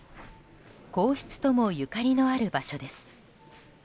皇室ともゆかりのある場所です。